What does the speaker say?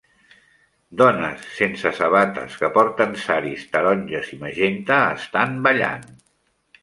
Dones sense sabates que porten saris taronges i magenta estan ballant.